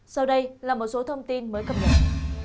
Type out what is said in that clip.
sau đây là một số thông tin mới cập nhật